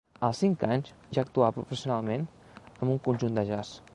Als cinc anys ja actuava professionalment amb un conjunt de jazz.